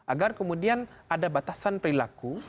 agar kemudian ada batasan perilaku